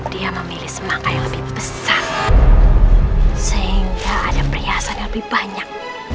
dia memilih semangka yang lebih besar sehingga ada perhiasan yang lebih banyak